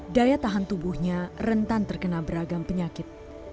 daya tahan tubuhnya rentan terkena beragam penyakit